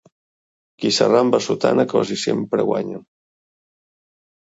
Qui s'arramba a sotana, quasi sempre guanya